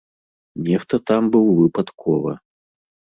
Нехта там быў выпадкова.